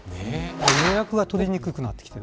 予約が取りにくくなってきた。